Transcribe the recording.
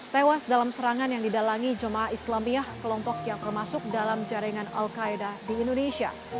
tewas dalam serangan yang didalangi jemaah islamiyah kelompok yang termasuk dalam jaringan al qaeda di indonesia